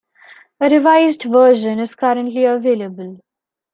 A revised version is currently available.